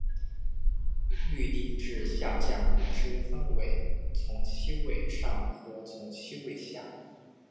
律令制下将之分为从七位上和从七位下。